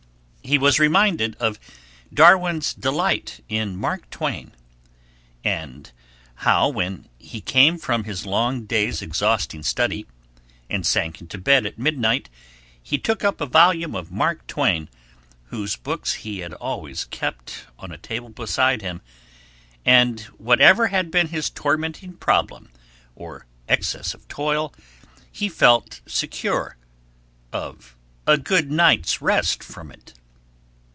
He was reminded of Darwin's delight in Mark Twain, and how when he came from his long day's exhausting study, and sank into bed at midnight, he took up a volume of Mark Twain, whose books he always kept on a table beside him, and whatever had been his tormenting problem, or excess of toil, he felt secure of a good night's rest from it.